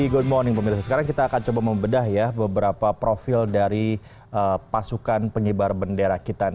good morning bapak ibu sekarang kita akan coba membedah beberapa profil dari pasukan penyebar bendera kita